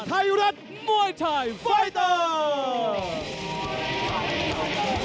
ไทยรัฐมวยไทยไฟเตอร์